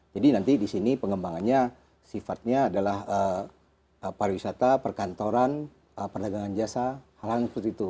jadi nanti disini pengembangannya sifatnya adalah pariwisata perkantoran perdagangan jasa hal hal seperti itu